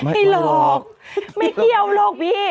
ไม่หรอกไม่เกี่ยวหรอกพี่